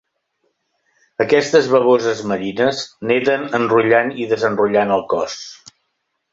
Aquestes bavoses marines neden enrotllant i desenrotllant el cos.